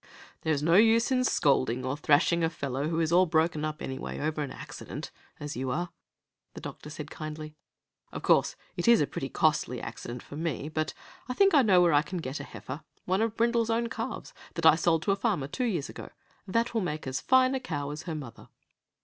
"There's no use in scolding or thrashing a fellow who is all broken up, anyway, over an accident, as you are," the doctor said, kindly. "Of course, it is a pretty costly accident for me, but I think I know where I can get a heifer one of Brindle's own calves, that I sold to a farmer two years ago that will make as fine a cow as her mother."